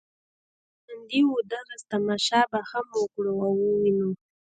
که ژوندي وو دغه تماشه به هم وګورو او وینو.